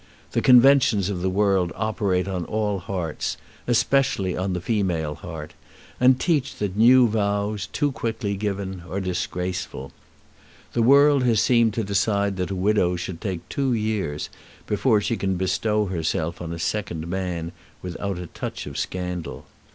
The conventions of the world operate on all hearts, especially on the female heart, and teach that new vows, too quickly given, are disgraceful. The world has seemed to decide that a widow should take two years before she can bestow herself on a second man without a touch of scandal.